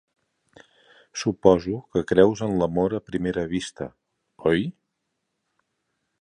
Suposo que creus en l'amor a primera vista, oi?